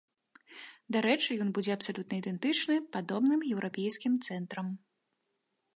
Дарэчы, ён будзе абсалютна ідэнтычны падобным еўрапейскім цэнтрам.